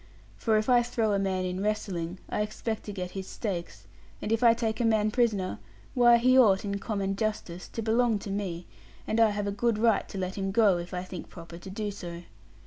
For if I throw a man in wrestling, I expect to get his stakes; and if I take a man prisoner why, he ought, in common justice, to belong to me, and I have a good right to let him go, if I think proper to do so.